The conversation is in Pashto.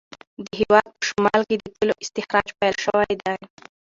د هیواد په شمال کې د تېلو استخراج پیل شوی دی.